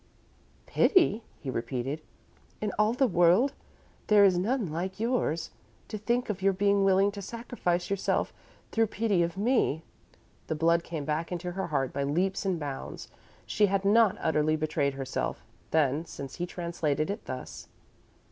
"Pity?" he repeated. "In all the world there is none like yours. To think of your being willing to sacrifice yourself, through pity of me!" The blood came back into her heart by leaps and bounds. She had not utterly betrayed herself, then, since he translated it thus.